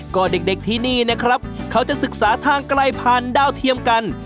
ก็เด็กที่นี่นะครับเขาจะศึกษาทางไกลผ่านดาวเทียมกัน